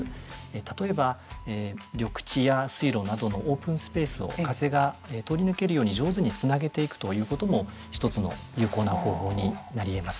例えば、緑地や水路などのオープンスペースを風が通り抜けるように上手につなげていくということも一つの有効な方法になり得ます。